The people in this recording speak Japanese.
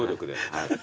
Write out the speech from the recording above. はい。